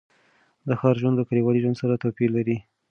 د ښار ژوند له کلیوالي ژوند سره توپیر لري.